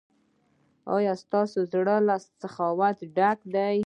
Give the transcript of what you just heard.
ایا ستاسو زړه له سخاوت ډک دی؟